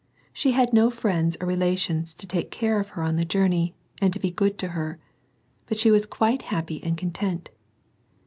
had no friends or relations to take care of j^ on the journey, and be good to her; but ,t was quite happy and content.